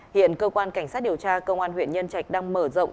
hiện cơ quan cảnh sát điều tra công an huyện nhân trạch đang mở rộng